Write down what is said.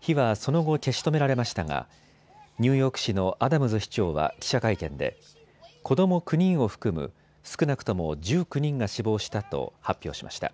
火はその後、消し止められましたがニューヨーク市のアダムズ市長は記者会見で子ども９人を含む少なくとも１９人が死亡したと発表しました。